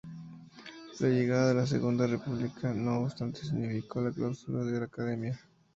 La llegada de la Segunda República, no obstante, significó la clausura de la academia.